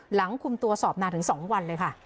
หลังคุมตัวสอบนานถึง๒วันเลยค่ะ